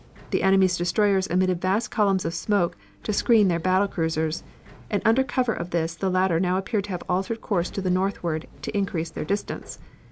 The enemy's destroyers emitted vast columns of smoke to screen their battle cruisers, and under cover of this the latter now appeared to have altered course to the northward to increase their distance.